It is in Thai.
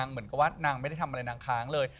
เหมือนกับว่านางไม่ได้ทำอะไรนางค้างเลย